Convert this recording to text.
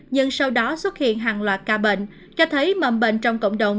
nhưng sau đó xuất hiện hàng loạt ca bệnh cho thấy mầm bệnh trong cộng đồng